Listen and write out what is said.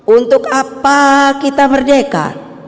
untuk apa kita merdeka